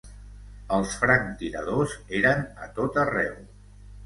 Els franctiradors eren a tot arreu.